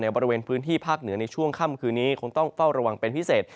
บริเวณพื้นที่ภาคเหนือในช่วงค่ำคืนนี้คงต้องเฝ้าระวังเป็นพิเศษ